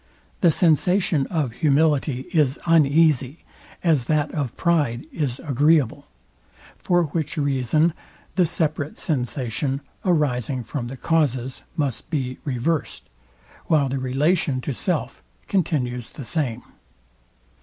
The sensation of humility is uneasy, as that of pride is agreeable; for which reason the separate sensation, arising from the causes, must be reversed, while the relation to self continues the same.